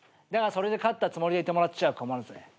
だがそれで勝ったつもりでいてもらっちゃ困るぜ。